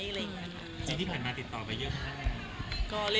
แล้วที่ผ่านมาติดต่อไปเยอะไหม